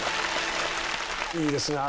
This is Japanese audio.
いいですね。